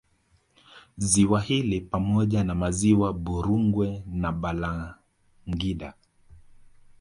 Ziwa hili pamoja na Maziwa Burunge na Balangida